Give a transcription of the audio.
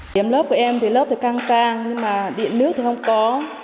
điểm lớp của em thì lớp thì căng cang nhưng mà điện nước thì không có